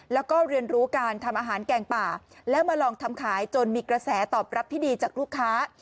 แล้วก็เรียนรู้การทำอาหารแกงป่าแล้วมาลองทำขายจนมีกระแสตอบรับที่ดีจากลูกค้า